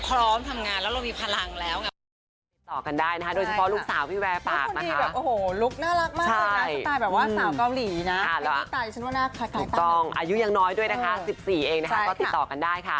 พร้อมทำงานแล้วเรามีพลังแล้วไง